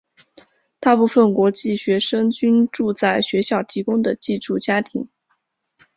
大部分国际学生均住在学校提供的寄住家庭。